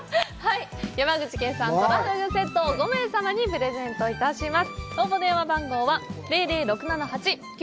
山口県産トラフグセットを５名様にプレゼントいたします。